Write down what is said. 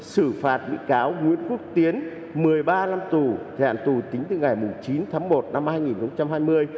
sử phạt nguyễn quốc tiến một mươi ba năm tù thẻ hạn tù tính từ ngày chín tháng một năm hai nghìn hai mươi